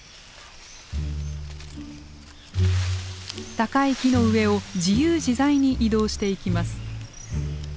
高い木の上を自由自在に移動していきます。